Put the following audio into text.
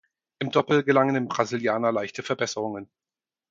Im Doppel gelangen dem Brasilianer leichte Verbesserungen.